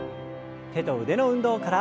手と腕の運動から。